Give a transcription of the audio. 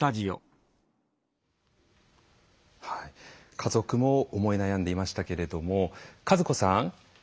家族も思い悩んでいましたけれども和子さん。